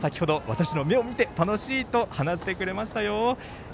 本人も先ほど、私の目を見て楽しいと話してくれましたよ。